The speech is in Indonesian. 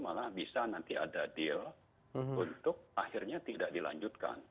malah bisa nanti ada deal untuk akhirnya tidak dilanjutkan